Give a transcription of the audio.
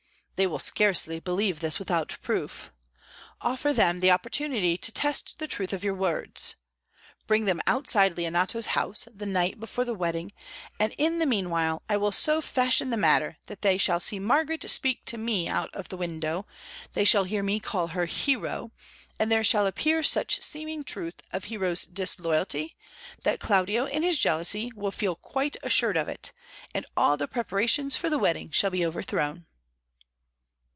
"They will scarcely believe this without proof. Offer them the opportunity to test the truth of your words. Bring them outside Leonato's house the night before the wedding; and in the meanwhile I will so fashion the matter that they shall see Margaret speak to me out of the window, they shall hear me call her 'Hero,' and there shall appear such seeming truth of Hero's disloyalty that Claudio in his jealousy will feel quite assured of it, and all the preparations for the wedding shall be overthrown."